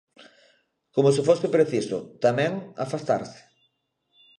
Como se fose preciso, tamén, afastarse.